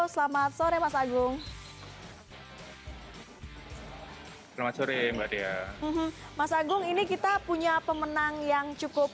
selamat sore mas agung selamat sore mbak dia mas agung ini kita punya pemenang yang cukup